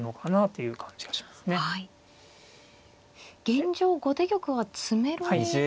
現状後手玉は詰めろに。